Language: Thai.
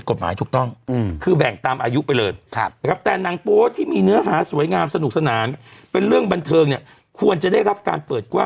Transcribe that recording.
ว่าเฮ้ยเพราะว่าเราเห็นในสื่อโซเชียล